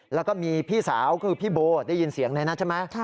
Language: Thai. แล้วก็มีพี่สาวคือพี่โบได้ยินเสียงในนั้นใช่ไหม